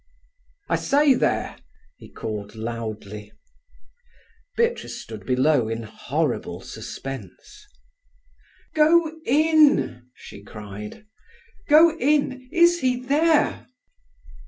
"I say there!" he called loudly. Beatrice stood below in horrible suspense. "Go in!" she cried. "Go in! Is he there?"